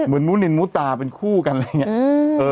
มุนินมุตาเป็นคู่กันอะไรอย่างนี้